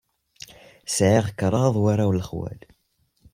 Sɛiɣ kraḍ warraw n lexwal.